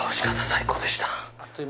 最高でした。